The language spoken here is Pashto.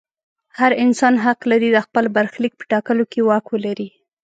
هر انسان حق لري د خپل برخلیک په ټاکلو کې واک ولري.